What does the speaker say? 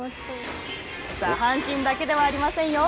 阪神だけではありませんよ。